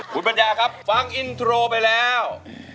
คุณปัญญาครับฟังอินโทรไปแล้ว